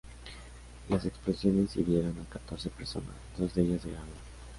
Las explosiones hirieron a catorce personas, dos de ellas de gravedad.